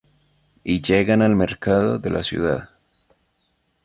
Y llegan al mercado de la ciudad.